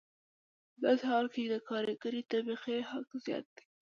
په داسې حال کې چې د کارګرې طبقې حق زیات دی